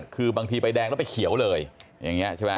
คือบางทีไปแดงแล้วไปเขียวเลยอย่างนี้ใช่ไหม